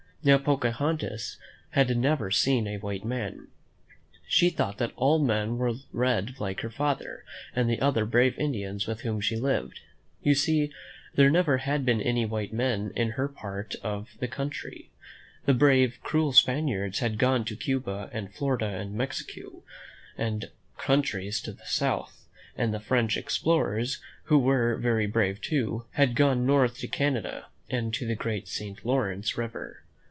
Now, Pocahontas had never seen a white man. She thought that all men were red like her father and the other brave Indians with whom she lived. You see, there never had been any white men in her part of the country. The brave, cruel Spaniards had gone to Cuba and Florida and Mexico and countries to the south, (C^ THE ¥m '^^ ^"Ri K' ^ r^^^^M MEN WHO FOUND AMERICA and the French explorers, who were very brave too, had gone north to Canada and to the great St. Lawrence River.